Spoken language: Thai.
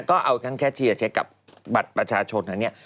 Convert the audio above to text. ก็เอาทั้งแคชเชียร์เช็คกับบัตรประชาชนอันนี้